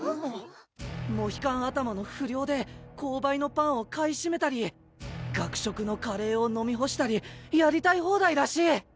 モヒカン頭の不良で購買のパンを買いしめたり学食のカレーを飲みほしたりやりたい放題らしい！